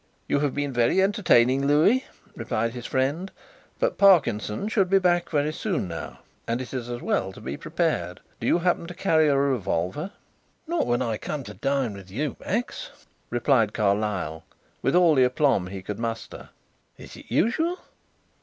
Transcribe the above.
"You have been very entertaining, Louis," replied his friend, "but Parkinson should be back very soon now and it is as well to be prepared. Do you happen to carry a revolver?" "Not when I come to dine with you, Max," replied Carlyle, with all the aplomb he could muster. "Is it usual?"